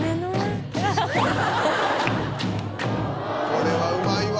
「これはうまいわ！」